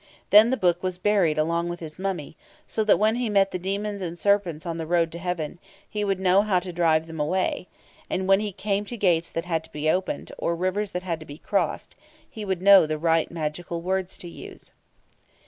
Then the book was buried along with his mummy, so that when he met the demons and serpents on the road to heaven, he would know how to drive them away, and when he came to gates that had to be opened, or rivers that had to be crossed, he would know the right magical words to use.